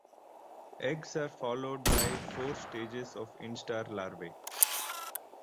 Eggs are followed by four stages of instar larvae.